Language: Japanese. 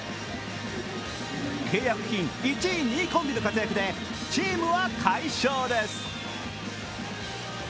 契約金１位、２位コンビの活躍でチームは快勝です。